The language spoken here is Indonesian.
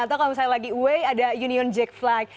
atau kalau misalnya lagi ue ada union jack flag